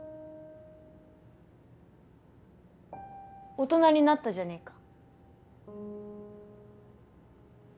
大人になったじゃねえか。